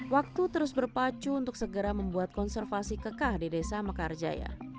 waktu terus berpacu untuk segera membuat konservasi kekah di desa mekarjaya